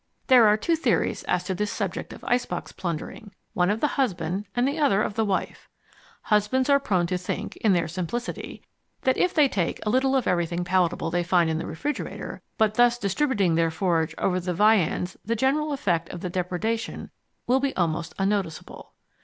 There are two theories as to this subject of ice box plundering, one of the husband and the other of the wife. Husbands are prone to think (in their simplicity) that if they take a little of everything palatable they find in the refrigerator, but thus distributing their forage over the viands the general effect of the depradation will be almost unnoticeable.